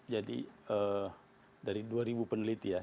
jadi dari dua ribu peneliti ya